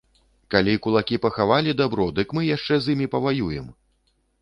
Калі кулакі пахавалі дабро, дык мы яшчэ з імі паваюем!